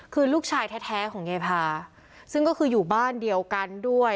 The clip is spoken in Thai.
คือลูกชายแท้ของยายพาซึ่งก็คืออยู่บ้านเดียวกันด้วย